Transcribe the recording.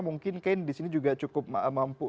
mungkin kane di sini juga cukup mampu